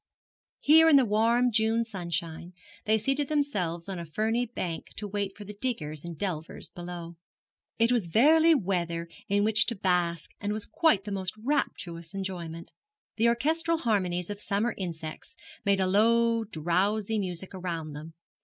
Here in the warm June sunshine they seated themselves on a ferny bank to wait for the diggers and delvers below. It was verily weather in which to bask was quite the most rapturous employment. The orchestral harmonies of summer insects made a low drowsy music around them.